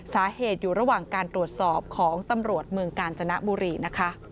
อยู่ระหว่างการตรวจสอบของตำรวจเมืองกาญจนบุรีนะคะ